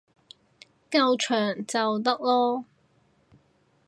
夠長就得囉